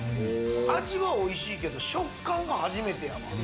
味はおいしいけど、食感が初めてや。